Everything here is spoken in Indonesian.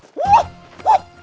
saya akan menang